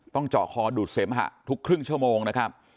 เจาะคอดูดเสมหะทุกครึ่งชั่วโมงนะครับ